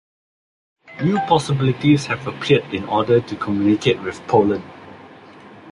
New possibilities have appeared in order to communicate with Poland.